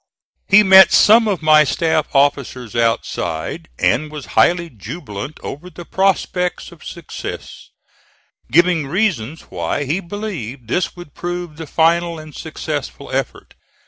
He met some of my staff officers outside, and was highly jubilant over the prospects of success, giving reasons why he believed this would prove the final and successful effort.